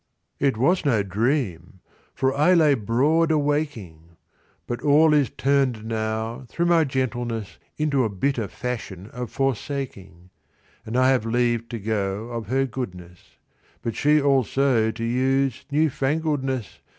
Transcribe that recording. It was no dream; for I lay broad awaking: 15 But all is turn'd now, through my gentleness, Into a bitter fashion of forsaking; And I have leave to go of her goodness; And she also to use new fangleness.